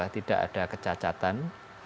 tidak ada kecacatan